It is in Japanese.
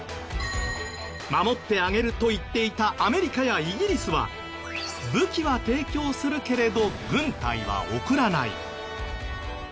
守ってあげると言っていたアメリカやイギリスは武器は提供するけれど軍隊は送らない。